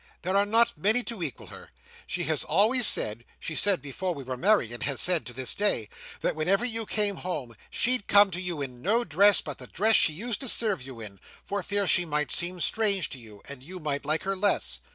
There are not many to equal her! She has always said—she said before we were married, and has said to this day—that whenever you came home, she'd come to you in no dress but the dress she used to serve you in, for fear she might seem strange to you, and you might like her less.